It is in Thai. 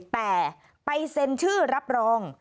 แต่ไปเซ็นชื่อรับรอง